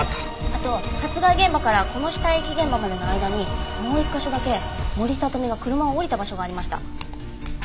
あと殺害現場からこの死体遺棄現場までの間にもう１カ所だけ森聡美が車を降りた場所がありました。